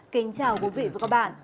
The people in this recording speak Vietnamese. kính chào quý vị và các bạn